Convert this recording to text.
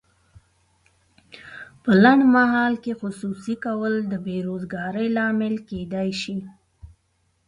په لنډمهال کې خصوصي کول د بې روزګارۍ لامل کیدای شي.